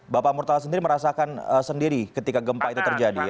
bapak murtala sendiri merasakan sendiri ketika gempa itu terjadi